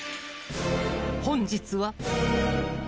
本日は。